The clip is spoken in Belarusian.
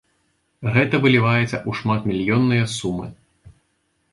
Гэта выліваецца ў шматмільённыя сумы.